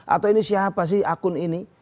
atau ini siapa sih akun ini